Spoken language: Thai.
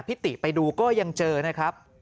ติไปดูก็ยังเจอนะครับ